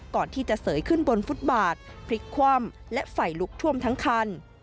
ก่อนที่จะเสยขึ้นบนฟุตบาทพลิกคว่ำและไฟลุกท่วมทั้งคัน